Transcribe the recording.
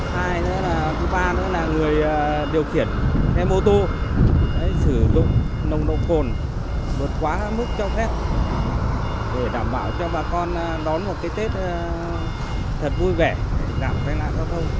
hay là người điều khiển xe mô tô sử dụng nồng độ cồn bột quá mức cho khép để đảm bảo cho bà con đón một cái tết thật vui vẻ để giảm gai nạn giao thông